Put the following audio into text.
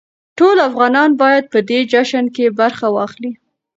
ټول افغانان بايد په دې جشن کې برخه واخلي.